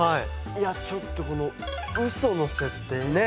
いやちょっとこの「ウソの設定」。